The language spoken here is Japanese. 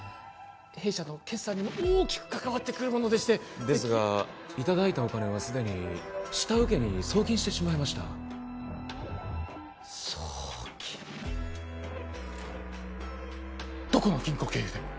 弊社の決算にも大きくかかわってくるものでしてですがいただいたお金はすでに下請けに送金してしまいました送金どこの銀行経由で？